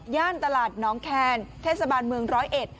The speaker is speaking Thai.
ตลาดน้องแคนเทศบาลเมืองร้อยเอ็ด